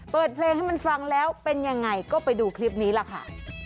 เปิดเพลงให้มันฟังแล้วเป็นยังไงก็ไปดูคลิปนี้ล่ะค่ะ